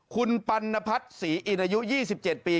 คุณปัณพัฒน์ศรีอินอายุ๒๗ปี